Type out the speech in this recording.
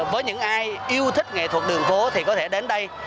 với những ai yêu thích nghệ thuật đường phố thì có thể đến đây